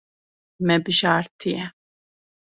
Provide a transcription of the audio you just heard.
Me bijartiye.